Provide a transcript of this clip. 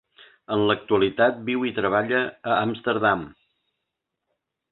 En l'actualitat, viu i treballa a Amsterdam.